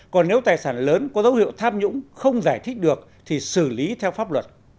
còn nếu tài sản lớn có dấu hiệu tham nhũng không giải thích được thì xử lý theo pháp luật